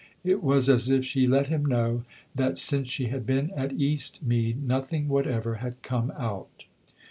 It was as if she let him know that since she had been at Eastmead nothing whatever had come out.